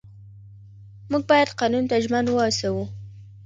موږ باید قانون ته ژمن واوسو